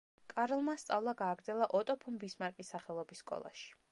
კარლმა სწავლა გააგრძელა ოტო ფონ ბისმარკის სახელობის სკოლაში.